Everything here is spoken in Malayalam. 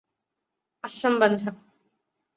അസംബന്ധം